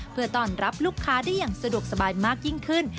เพื่อต้อนรับลูกค้าได้อย่างสะดวกสบายมากยิ่งขึ้น